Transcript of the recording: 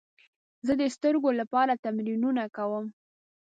زه د سترګو لپاره تمرینونه کوم.